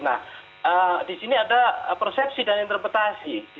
nah di sini ada persepsi dan interpretasi